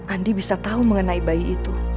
andi bisa tahu mengenai bayi itu